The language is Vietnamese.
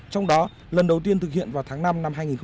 trong đó lần đầu tiên thực hiện vào tháng năm năm hai nghìn một mươi tám